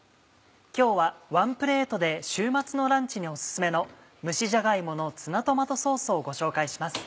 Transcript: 今日はワンプレートで週末のランチにおすすめの「蒸しじゃが芋のツナトマトソース」をご紹介します。